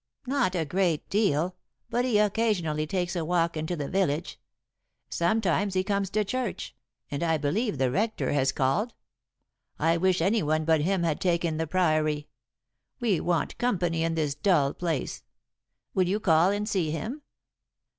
"Not a great deal, but he occasionally takes a walk into the village. Sometimes he comes to church, and I believe the rector has called. I wish any one but him had taken the Priory. We want company in this dull place. Will you call and see him?"